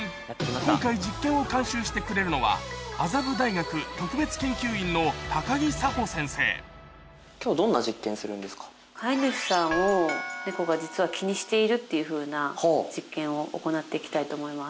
今回実験を監修してくれるのは飼い主さんをネコが実は気にしているっていうふうな実験を行っていきたいと思います。